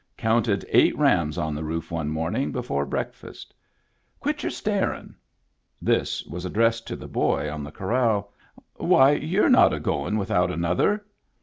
Counted eight rams on the roof one morning before breakfast. Quit your staring !" This was addressed to the boy on the corral. Why, you're not a going without an other